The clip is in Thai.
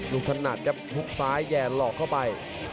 ถนัดครับหุบซ้ายแย่หลอกเข้าไป